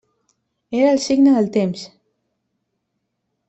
Era el signe del temps.